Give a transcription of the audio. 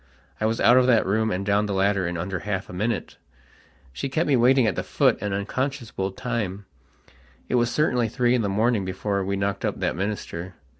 I was out of that room and down the ladder in under half a minute. She kept me waiting at the foot an unconscionable timeit was certainly three in the morning before we knocked up that minister.